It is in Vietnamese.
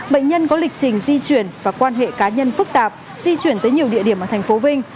bệnh nhân có lịch trình di chuyển và quan hệ cá nhân phức tạp di chuyển tới nhiều địa điểm ở thành phố vinh